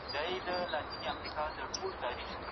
هغه اوسمهال د خپل نوي کار له اسیته خوشالي کوي.